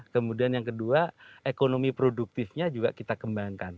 kemudian yang kedua ekonomi produktifnya juga kita kembangkan